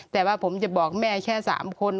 แต่ว่าผมจะบอกแม่แค่๓คน